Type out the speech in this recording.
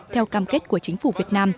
theo cam kết của chính phủ việt nam